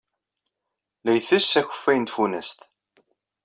La yettess akeffay n tfunast.